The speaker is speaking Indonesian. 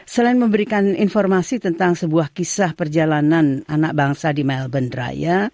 selain memberikan informasi tentang sebuah kisah perjalanan anak bangsa di melbourne raya